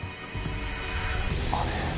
あれ